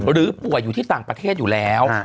หรือป่วยอยู่ที่ต่างประเทศอยู่แล้ว